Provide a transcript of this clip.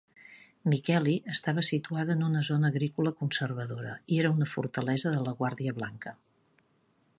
Mikkeli estava situada en una zona agrícola conservadora i era una fortalesa de la Guàrdia Blanca.